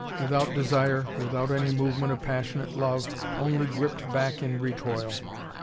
Without desire, without any movement of passionate love, only gripped back in recoil!